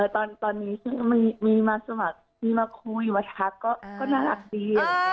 ตอนนี้ซึ่งมีมาสมัครมีมาคุยมาทักก็น่ารักดี